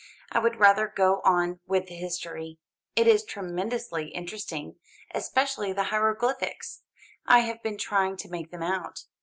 "I would rather go on with the history. It is tremendously interesting, especially the hieroglyphics. I have been trying to make them out.